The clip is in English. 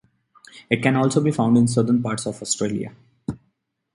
It can also be found in southern parts of Australia.